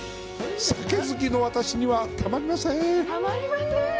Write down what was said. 酒好きの私にはたまりません。